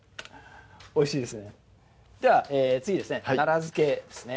おいしいですよねでは次ですね奈良漬けですね